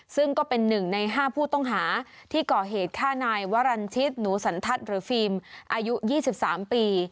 ซึ่งก็เป็น๑ใน๕ผู้ต้องหาที่ก่อเหตุฆ่านายวรรณชิตหนูสันทัศน์หรือฟิล์มอายุ๒๓ปี